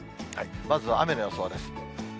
まずは雨の予想です。